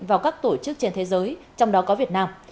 vào các tổ chức trên thế giới trong đó có việt nam